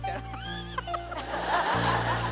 ハハハハ！